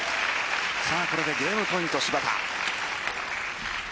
これでゲームポイント芝田。